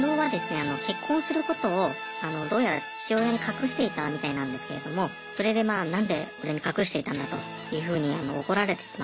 あの結婚することをどうやら父親に隠していたみたいなんですけれどもそれでまあ何で俺に隠していたんだというふうに怒られてしまって。